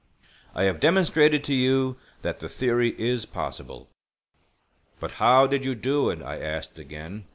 I have demonstrated to you that the theory is possible." "But how did you do it?" I asked again.